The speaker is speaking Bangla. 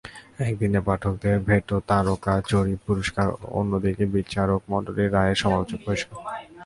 একদিকে পাঠকদের ভোটে তারকা জরিপ পুরস্কার, অন্যদিকে বিচারকমণ্ডলীর রায়ে সমালোচক পুরস্কার।